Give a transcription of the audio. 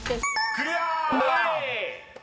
［クリア！］